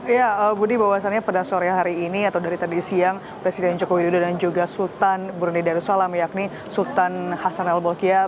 ya budi bahwasannya pada sore hari ini atau dari tadi siang presiden joko widodo dan juga sultan brunei darussalam yakni sultan hasan al bolkiah